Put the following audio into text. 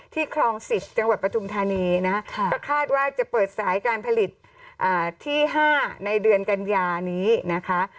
คลอง๑๐จังหวัดปฐุมธานีนะคะก็คาดว่าจะเปิดสายการผลิตที่๕ในเดือนกันยานี้นะคะ